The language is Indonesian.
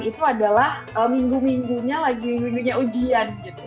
itu adalah minggu minggunya lagi minggunya ujian gitu